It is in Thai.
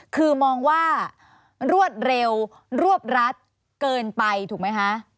คือมองว่ารวดเร็วรวบรัดเกินไปถูกไหมคะ